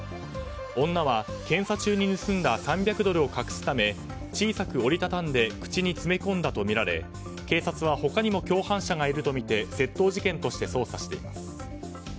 女は検査中に盗んだ３００ドルを隠すため小さく折り畳んで口に詰め込んだとみられ警察は他にも共犯者がいるとみて窃盗事件として捜査しています。